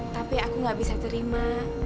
tapi aku gak bisa terima